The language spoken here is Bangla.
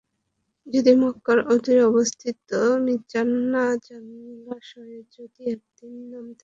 যদি মক্কার অদূরে অবস্থিত মিজান্না জলাশয়ে যদি একদিন নামতে পারতাম।